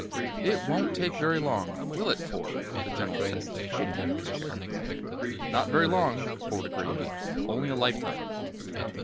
"It won't take very long, will it, Ford?" the general said, getting out of his chair. "Not very long," Ford agreed. "Only a lifetime."